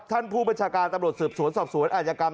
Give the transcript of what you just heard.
ท่านผู้บัญชาการตำรวจสืบสวนสอบสวนอาจกรรม